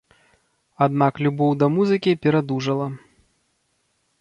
Аднак любоў да музыкі перадужала.